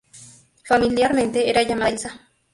Familiarmente, era llamada "Elsa".